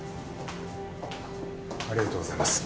ありがとうございます。